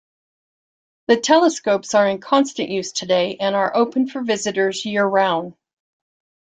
The telescopes are in constant use today and are open for visitors year round.